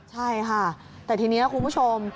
ใช่ค่ะแต่ทีนี้คุณผู้ชม